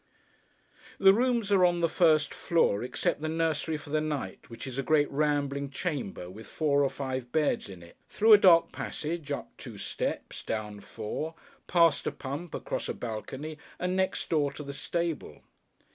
The rooms are on the first floor, except the nursery for the night, which is a great rambling chamber, with four or five beds in it: through a dark passage, up two steps, down four, past a pump, across a balcony, and next door to the stable.